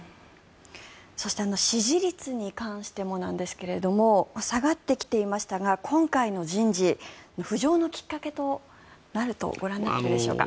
そして支持率に関してもですが下がってきていましたが今回の人事浮上のきっかけとなるとご覧になっていますか。